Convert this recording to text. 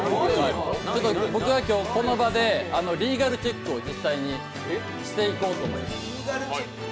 僕が今日、この場でリーガルチェックを実際にしていこうと思います。